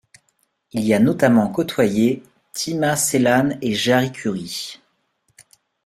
Il y a notamment côtoyé Teemu Selänne et Jari Kurri.